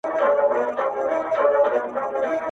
• پوره کړی مي د سپي غریب وصیت دی..